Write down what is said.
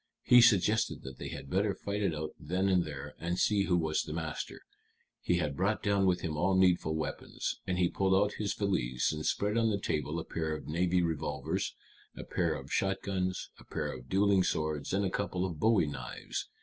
He suggested that they had better fight it out then and there, and see who was master. He had brought down with him all needful weapons. And he pulled out his valise, and spread on the table a pair of navy revolvers, a pair of shotguns, a pair of dueling swords, and a couple of bowie knives.